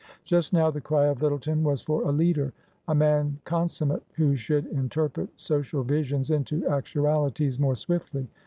Just now the cry of Lyttleton was for a Leader, a '' man consummate*' who should interpret social visions into actualities more swiftly.